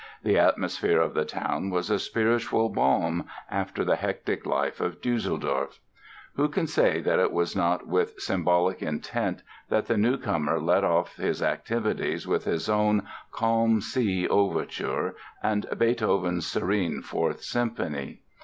The atmosphere of the town was a spiritual balm after the hectic life of Düsseldorf. Who shall say that it was not with symbolic intent that the newcomer led off his activities with his own "Calm Sea" Overture and Beethoven's serene Fourth Symphony?